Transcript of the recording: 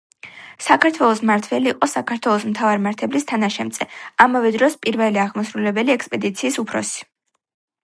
საქართველოს მმართველი იყო საქართველოს მთავარმართებლის თანაშემწე, ამავე დროს პირველი აღმასრულებელი ექსპედიციის უფროსი.